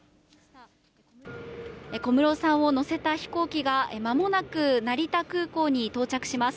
小室さんを乗せた飛行機が、まもなく成田空港に到着します。